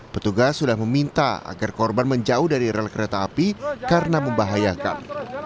petugas sudah meminta agar korban menjauh dari rel kereta api karena membahayakan